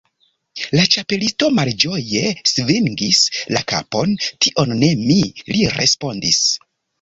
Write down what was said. La Ĉapelisto malĝoje svingis la kapon. "Tion ne mi," li respondis.